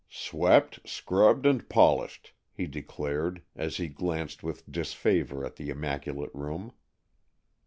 "Swept, scrubbed, and polished," he declared, as he glanced with disfavor at the immaculate room.